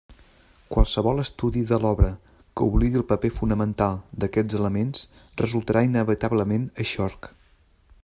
Qualsevol estudi de l'obra que oblidi el paper fonamental d'aquests elements resultarà inevitablement eixorc.